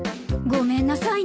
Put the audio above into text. ごめんなさい。